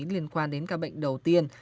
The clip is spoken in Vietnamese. liên quan đến ca bệnh đầu tiên